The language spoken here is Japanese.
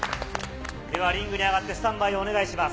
ではリングに上がってスタンバイをお願いします。